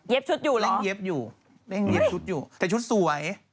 เย็บชุดอยู่หรอเรียบอยู่แต่ชุดสวย